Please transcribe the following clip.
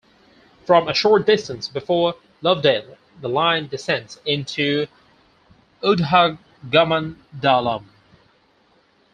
From a short distance before Lovedale, the line descends into Udhagamandalam.